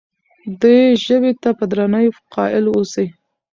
دې ژبې ته په درناوي قایل اوسئ.